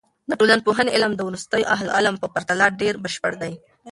د ټولنپوهنې علم د وروستیو اهل علم په پرتله ډېر بشپړ دی.